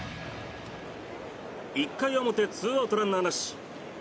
１回表２アウト、ランナーなし。